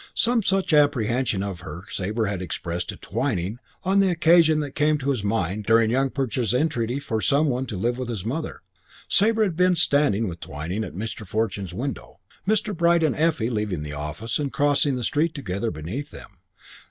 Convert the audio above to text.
Some such apprehension of her Sabre had expressed to Twyning on the occasion that came to his mind during young Perch's entreaty for some one to live with his mother. Sabre had been standing with Twyning at Mr. Fortune's window, Mr. Bright and Effie leaving the office and crossing the street together beneath them.